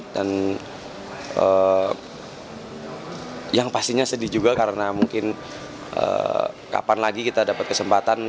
dan yang pastinya sedih juga karena mungkin kapan lagi kita dapat kesempatan